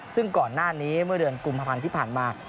ซึ่งก่อนหน้านี้เมื่อเดือนกุมภาพันธ์ที่ผ่านมา